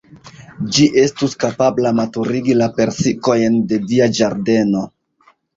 Ĝi estus kapabla maturigi la persikojn de via ĝardeno.